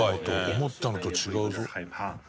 思ったのと違うぞ。